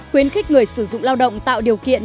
khuyến khích người sử dụng lao động tạo điều kiện